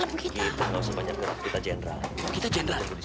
asik asik posisi dalam kita kita